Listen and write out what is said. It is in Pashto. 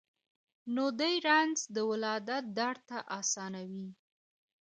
نو دي رنځ د ولادت درته آسان وي